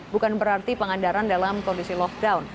bukan berarti pangandaran dalam kondisi lockdown